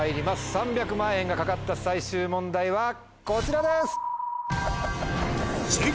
３００万円がかかった最終問題はこちらです！